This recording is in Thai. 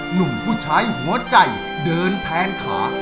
หนุ่มผู้ใช้หัวใจเดินแทนขา